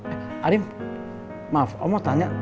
eh arim maaf om mau tanya